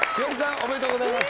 おめでとうございます。